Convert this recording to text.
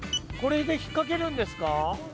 これで引っ掛けるんですか。